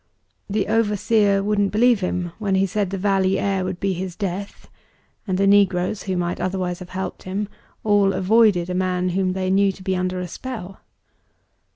The overseer wouldn't believe him when he said the valley air would be his death and the negroes, who might otherwise have helped him, all avoided a man whom they knew to be under a spell.